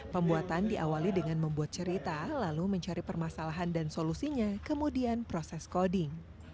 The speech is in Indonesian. pembuatan diawali dengan membuat cerita lalu mencari permasalahan dan solusinya kemudian proses coding